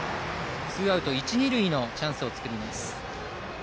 ツーアウト、一塁二塁のチャンスを作ります。